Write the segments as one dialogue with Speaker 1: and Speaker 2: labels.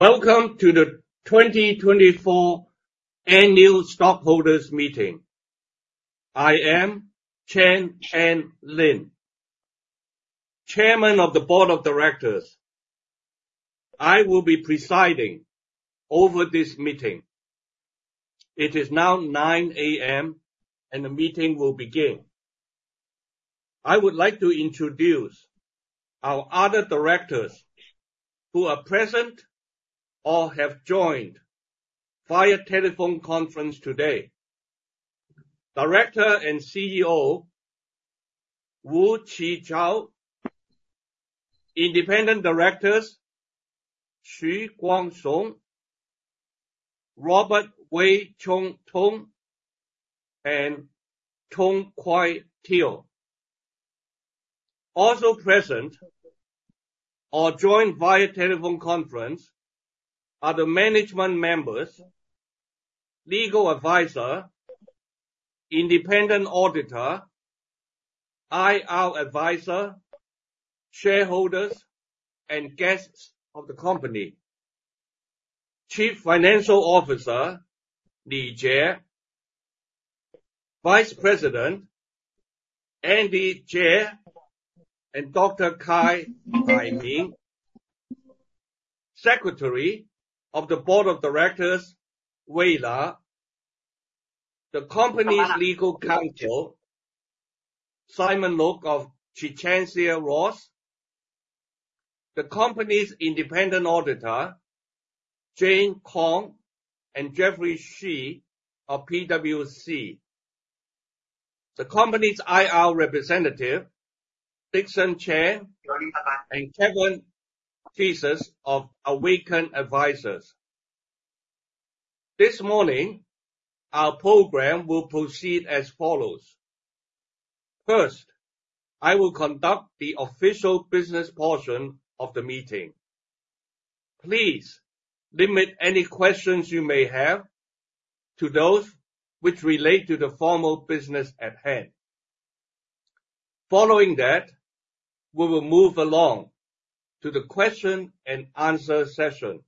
Speaker 1: ...Welcome to the twenty twenty-four annual stockholders meeting. I am Jianlin Lin, Chairman of the Board of Directors. I will be presiding over this meeting. It is now 9:00 A.M., and the meeting will begin. I would like to introduce our other directors who are present or have joined via telephone conference today. Director and CEO, Qichao Wu, independent directors, Guangsong Xu, Robert Wei Chung Tung, and Tung Kwai Teo. Also present or joined via telephone conference are the management members, legal advisor, independent auditor, IR advisor, shareholders, and guests of the company. Chief Financial Officer, Jie Li. Vice President, Andy Liu, and Dr. Aimin Kai. Secretary of the Board of Directors, La Wei. The company's legal counsel, Simon Luk of Winston & Strawn LLP. The company's independent auditor, Jane Kong and Jeffrey Shi of PwC. The company's IR representative, Dixon Chen and Kevin Theiss of Ascent Investor Relations. This morning, our program will proceed as follows: First, I will conduct the official business portion of the meeting. Please limit any questions you may have to those which relate to the formal business at hand. Following that, we will move along to the question and answer session.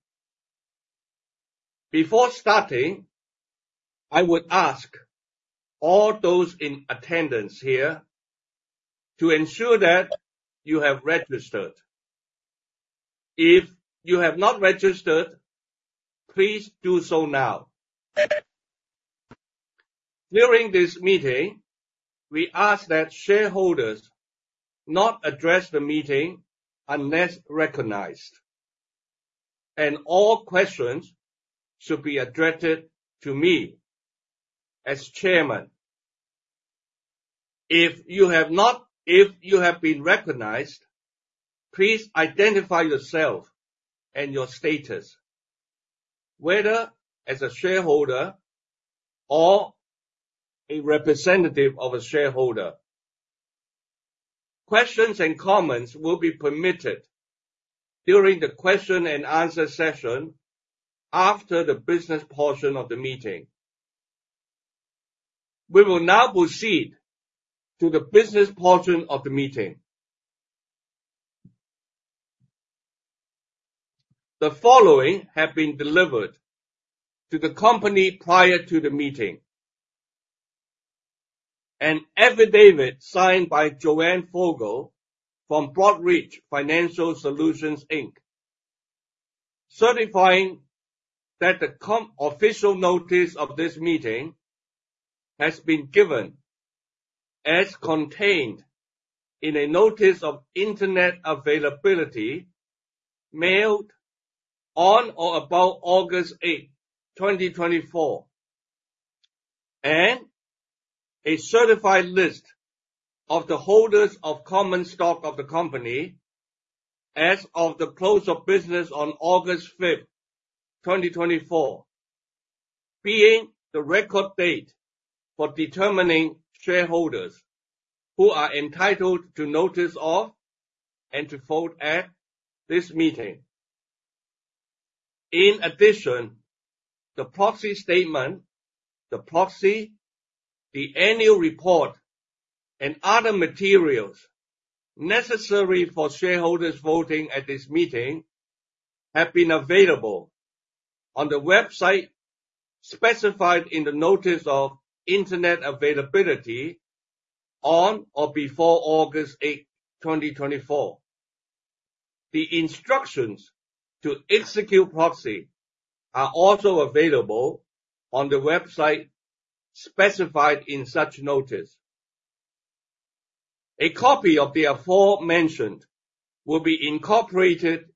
Speaker 1: Before starting, I would ask all those in attendance here to ensure that you have registered. If you have not registered, please do so now. During this meeting, we ask that shareholders not address the meeting unless recognized, and all questions should be addressed to me as Chairman. If you have been recognized, please identify yourself and your status, whether as a shareholder or a representative of a shareholder. Questions and comments will be permitted during the question and answer session after the business portion of the meeting. We will now proceed to the business portion of the meeting. The following have been delivered to the company prior to the meeting. An affidavit signed by Joanne Fogle from Broadridge Financial Solutions, Inc., certifying that the company's official notice of this meeting has been given as contained in a notice of internet availability, mailed on or about August eighth, twenty twenty-four, and a certified list of the holders of common stock of the company as of the close of business on August fifth, twenty twenty-four, being the record date for determining shareholders who are entitled to notice of, and to vote at this meeting. In addition, the proxy statement, the proxy, the annual report, and other materials necessary for shareholders voting at this meeting have been available on the website specified in the notice of internet availability on or before August eighth, twenty twenty-four. The instructions to execute proxy are also available on the website specified in such notice. A copy of the aforementioned will be incorporated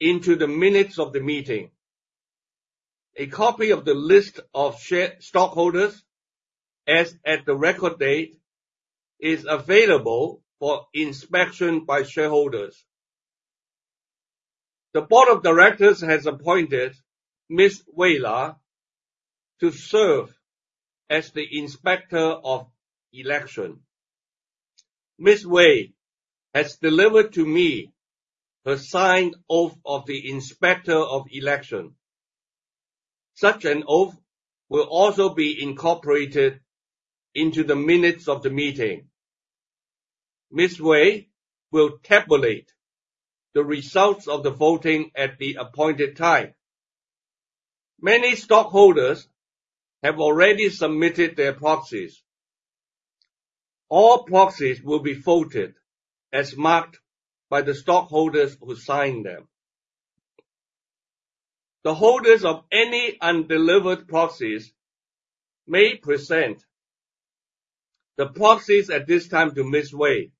Speaker 1: into the minutes of the meeting. A copy of the list of shareholders, as at the record date, is available for inspection by shareholders. The Board of Directors has appointed Ms. La Wei to serve as the Inspector of Election. Ms. La Wei has delivered to me her signed oath of the Inspector of Election. Such an oath will also be incorporated into the minutes of the meeting. Ms. La Wei will tabulate the results of the voting at the appointed time. Many stockholders have already submitted their proxies. All proxies will be voted as marked by the stockholders who signed them. The holders of any undelivered proxies may present the proxies at this time to Ms. La Wei.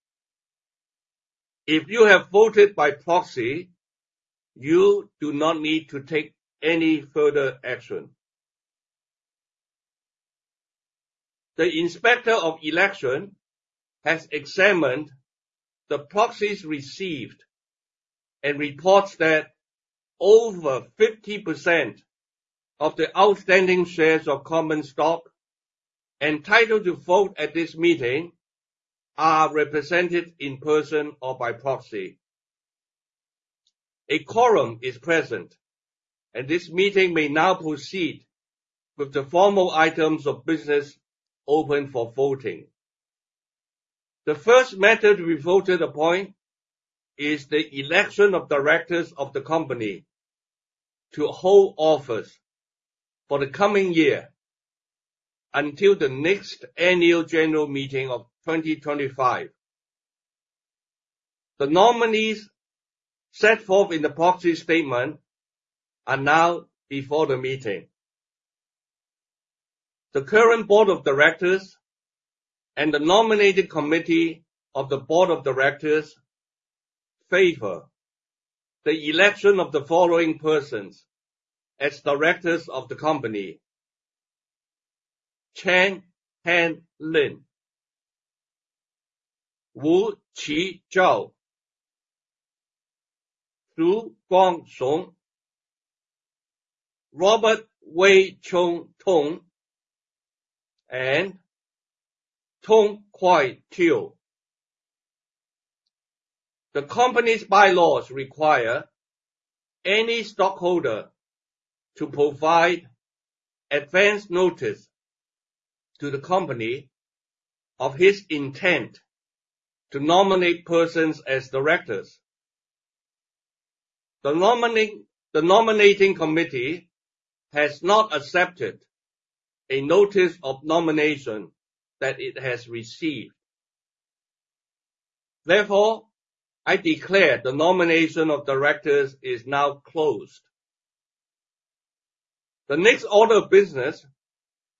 Speaker 1: If you have voted by proxy, you do not need to take any further action. The Inspector of Election has examined the proxies received and reports that over 50% of the outstanding shares of common stock entitled to vote at this meeting are represented in person or by proxy. A quorum is present, and this meeting may now proceed with the formal items of business open for voting. The first matter to be voted upon is the election of directors of the company to hold office for the coming year until the next annual general meeting of 2025. The nominees set forth in the proxy statement are now before the meeting. The current board of directors and the nominating committee of the board of directors favor the election of the following persons as directors of the company: Jianlin Lin, Qichao Wu, Guangsong Xu, Robert Wei Chung Tung, and Tung Kwai Teo. The company's bylaws require any stockholder to provide advance notice to the company of his intent to nominate persons as directors. The nominating committee has not accepted a notice of nomination that it has received. Therefore, I declare the nomination of directors is now closed. The next order of business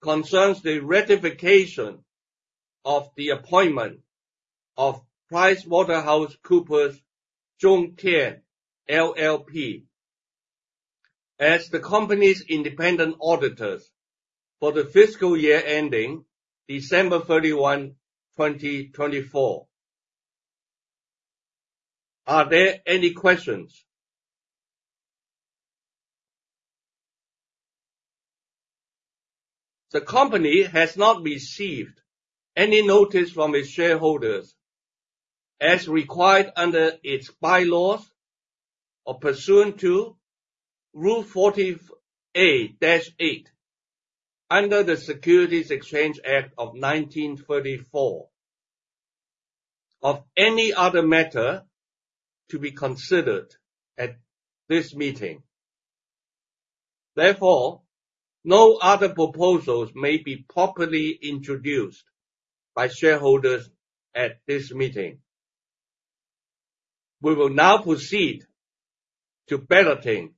Speaker 1: concerns the ratification of the appointment of PricewaterhouseCoopers Zhong Tian LLP, as the company's independent auditors for the fiscal year ending December thirty-one, twenty twenty-four. Are there any questions? The company has not received any notice from its shareholders, as required under its bylaws or pursuant to Rule 14a-8 under the Securities Exchange Act of 1934, of any other matter to be considered at this meeting. Therefore, no other proposals may be properly introduced by shareholders at this meeting. We will now proceed to balloting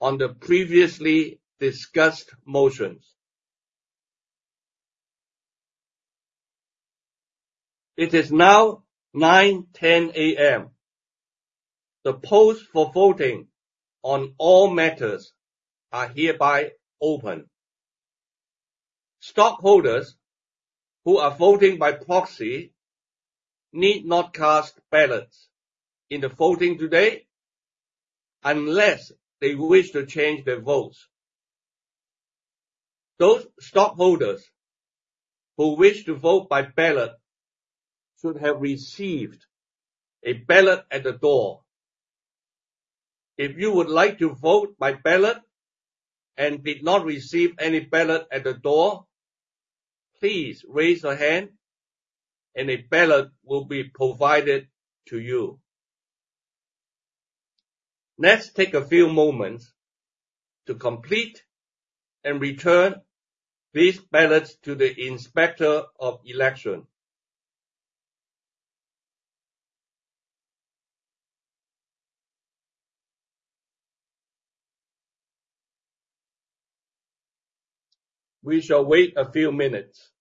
Speaker 1: on the previously discussed motions. It is now 9:10 A.M. The polls for voting on all matters are hereby open. Stockholders who are voting by proxy need not cast ballots in the voting today unless they wish to change their votes. Those stockholders who wish to vote by ballot should have received a ballot at the door. If you would like to vote by ballot and did not receive any ballot at the door, please raise your hand and a ballot will be provided to you. Let's take a few moments to complete and return these ballots to the Inspector of Election. We shall wait a few minutes....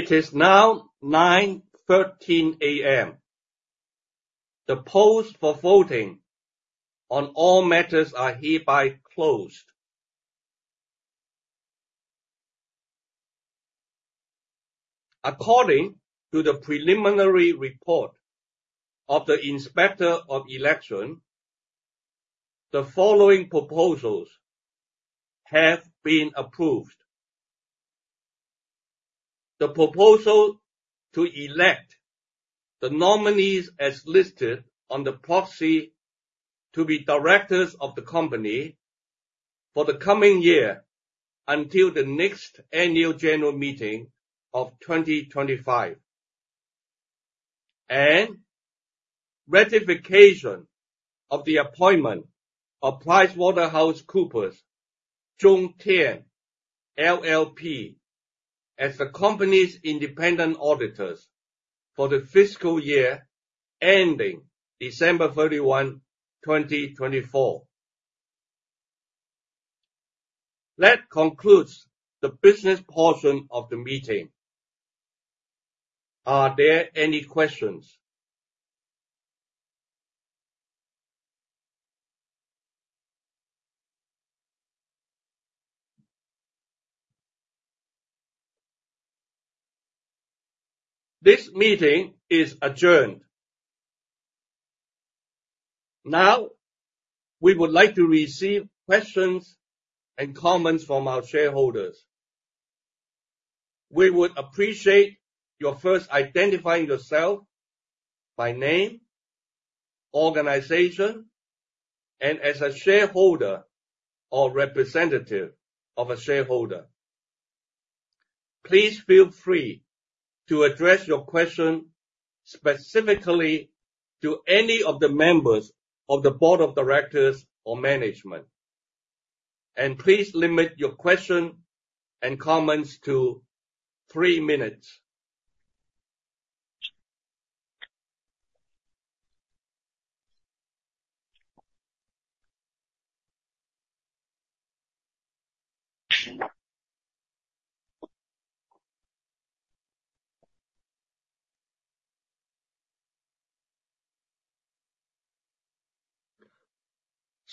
Speaker 1: It is now 9:13 A.M. The polls for voting on all matters are hereby closed. According to the preliminary report of the Inspector of Election, the following proposals have been approved. The proposal to elect the nominees as listed on the proxy to be directors of the company for the coming year until the next annual general meeting of 2025, and ratification of the appointment of PricewaterhouseCoopers Zhong Tian LLP as the company's independent auditors for the fiscal year ending December 31, 2024. That concludes the business portion of the meeting. Are there any questions? This meeting is adjourned. Now, we would like to receive questions and comments from our shareholders. We would appreciate you first identifying yourself by name, organization, and as a shareholder or representative of a shareholder. Please feel free to address your question specifically to any of the members of the Board of Directors or management. And please limit your question and comments to three minutes.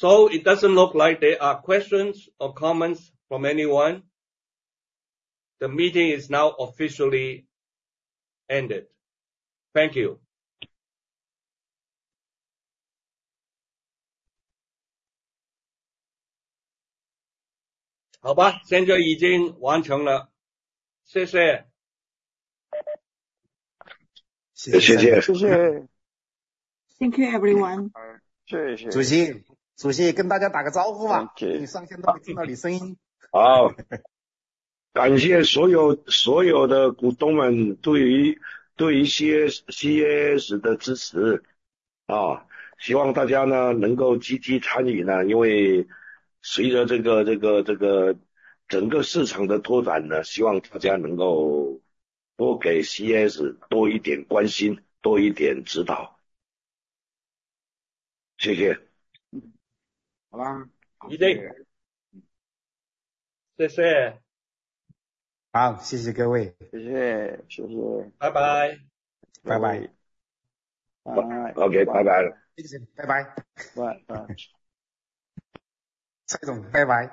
Speaker 1: So it doesn't look like there are questions or comments from anyone. The meeting is now officially ended. Thank you. 好了，现在已经完成了。谢谢。谢谢。谢谢。Thank you everyone. 好啦，一定。谢谢。好，谢谢各位。谢谢，谢谢。拜拜。拜拜。OK, 拜拜. Bye-bye. Bye-bye. Cai Zong, bye-bye.